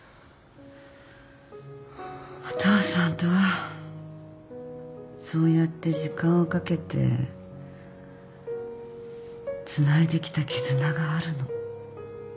お父さんとはそうやって時間をかけてつないできた絆があるの。